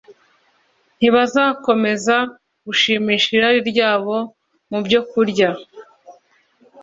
ntibazakomeza gushimisha irari ryabo mu byokurya